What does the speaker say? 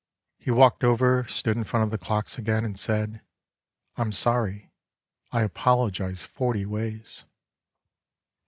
He walked over, stood in front of the clocks again And said, " I'm sorry; I apologize forty ways."